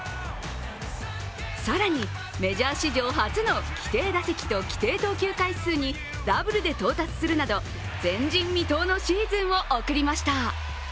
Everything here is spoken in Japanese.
更に、メジャー史上初の規定打席と規定投球回数にダブルで到達するなど、前人未到のシーズンを送りました。